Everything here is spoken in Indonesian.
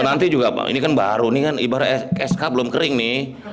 nanti juga bang ini kan baru ini kan ibarat sk belum kering nih